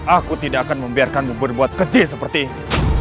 aku tidak akan membiarkanmu berbuat kecil seperti ini